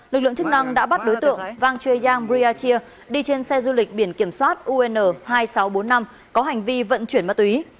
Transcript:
lực lượng chức năng đã bắt đối tượng vang chiang briachir đi trên xe du lịch biển kiểm soát un hai nghìn sáu trăm bốn mươi năm có hành vi vận chuyển ma túy